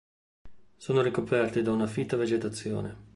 Sono ricoperti da una fitta vegetazione.